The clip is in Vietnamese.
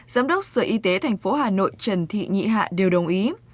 giám đốc sở y tế tp hà nội trần thị nhị hạ đều đồng ý